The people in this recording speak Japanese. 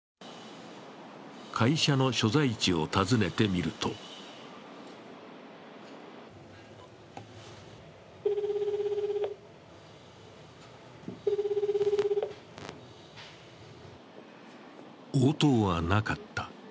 会社の所在地を訪ねてみると応答はなかった。